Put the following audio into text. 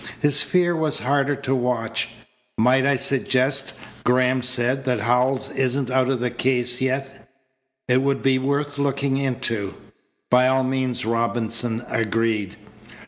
His fear was harder to watch. "Might I suggest," Graham said, "that Howells isn't out of the case yet? It would be worth looking into." "By all means," Robinson agreed.